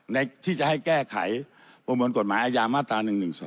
ที่จะให้แก้ไขประมวลกฎหมายอาญามาตรา๑๑๒